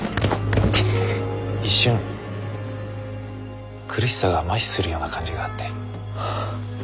一瞬苦しさがまひするような感じがあって。